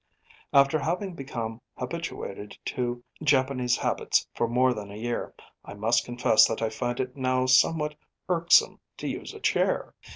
After having become habituated to Japanese habits for more than a year, I must confess that I find it now somewhat irksome to use a chair.